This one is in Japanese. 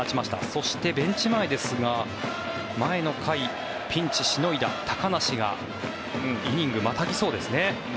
そしてベンチ前ですが前の回、ピンチをしのいだ高梨がイニング、またぎそうですね。